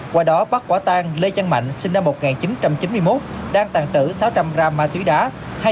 qua đó bắt quả tang lê trang mạnh sinh năm một nghìn chín trăm chín mươi một đang tàn trữ sáu trăm linh gram ma túy đá